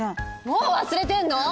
もう忘れてんの？